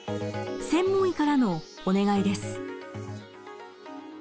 専門医からのお願いです。